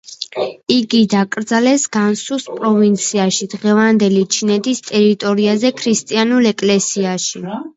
იგი დაკრძალეს განსუს პროვინციაში, დღევანდელი ჩინეთის ტერიტორიაზე, ქრისტიანულ ეკლესიაში.